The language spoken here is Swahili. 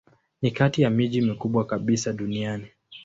Ni kati ya miji mikubwa kabisa duniani.